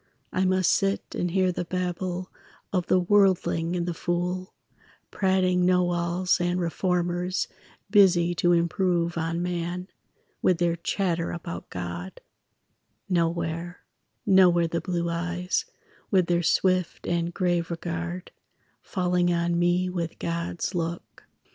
I must sit and hear the babble Of the worldling and the fool, Prating know alls and reformers Busy to improve on man, With their chatter about God; Nowhere, nowhere the blue eyes, With their swift and grave regard, Falling on me with God's look.